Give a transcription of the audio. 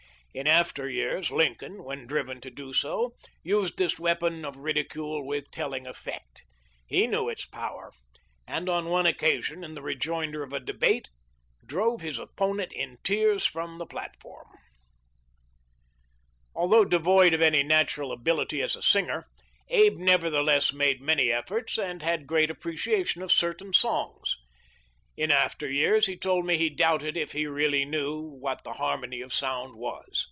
In after years Lincoln, when driven to do so, used this weapon of ridicule with telling effect. He knew its power, and on one occasion, in the rejoinder of a debate, drove his opponent in tears from the platform. •e 56 T//E LIFE OF LINCOLN. Although devoid of any natural ability as a singer Abe nevertheless made many efforts and had great appreciation of certain songs. In after years he told me he doubted if he really knew what the har mony of sound was.